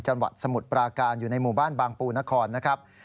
จังหวัดสมุทรปราการอยู่ในหมู่บ้านบางปูนครนะครับ